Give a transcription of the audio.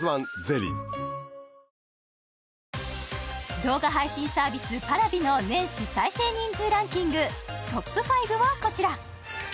動画配信サービスＰａｒａｖｉの年始再生人数ランキングトップ５はこちら。